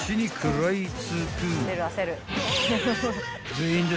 ［全員で］